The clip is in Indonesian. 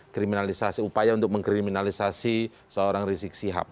kriminalisasi upaya untuk mengkriminalisasi seorang rizik sihab